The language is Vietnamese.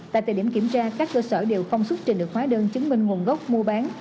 tại thời điểm kiểm tra các cơ sở đều không xuất trình được hóa đơn chứng minh nguồn gốc mua bán